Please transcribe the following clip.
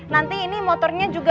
nanti ini motornya juga